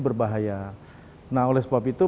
berbahaya nah oleh sebab itu